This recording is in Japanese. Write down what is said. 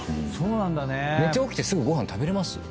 寝て起きてすぐご飯食べれます？